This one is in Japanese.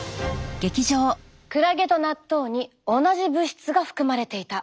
クラゲと納豆に同じ物質が含まれていた。